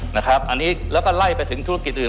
นะครับอันนี้แล้วก็ไล่ไปถึงธุรกิจอื่น